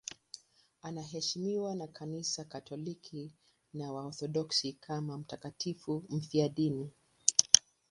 Anaheshimiwa na Kanisa Katoliki na Waorthodoksi kama mtakatifu mfiadini.